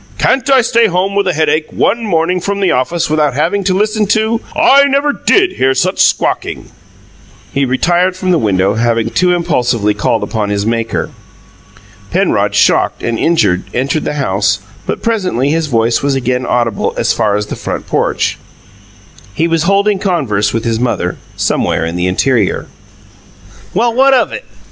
"Can't I stay home with a headache ONE morning from the office without having to listen to I never DID hear such squawking!" He retired from the window, having too impulsively called upon his Maker. Penrod, shocked and injured, entered the house, but presently his voice was again audible as far as the front porch. He was holding converse with his mother, somewhere in the interior. "Well, what of it?